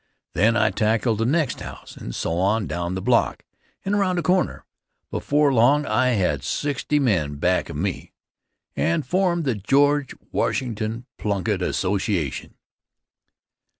Then I tackled the next house and so on down the block and around the corner. Before long I had sixty men back of me, and formed the George Washington Plunkitt Association.